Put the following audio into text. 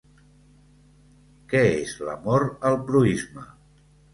Què és l'amor al proïsme?